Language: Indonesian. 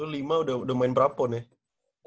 lo lima udah main prapon ya